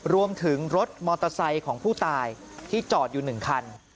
รถมอเตอร์ไซค์ของผู้ตายที่จอดอยู่๑คัน